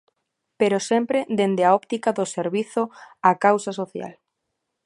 Pero sempre dende a óptica do servizo á causa social.